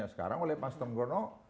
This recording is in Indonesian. sekarang oleh pak trenggono